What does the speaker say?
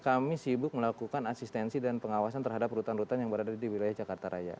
kami sibuk melakukan asistensi dan pengawasan terhadap rutan rutan yang berada di wilayah jakarta raya